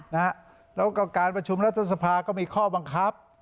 แล้วก็การประชุมรัฐสภาก็มีข้อบังคับ